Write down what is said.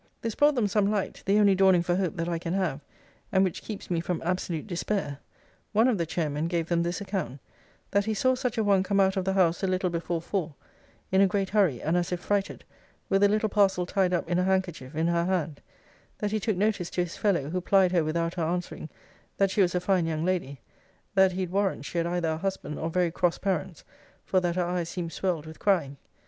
'This brought them some light: the only dawning for hope, that I can have, and which keeps me from absolute despair. One of the chairmen gave them this account: That he saw such a one come out of the house a little before four (in a great hurry, and as if frighted) with a little parcel tied up in a handkerchief, in her hand: that he took notice to his fellow, who plied her without her answering, that she was a fine young lady: that he'd warrant, she had either a husband, or very cross parents; for that her eyes seemed swelled with crying.